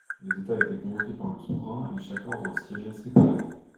Les états étaient convoqués par le souverain et chaque ordre siégeait séparément.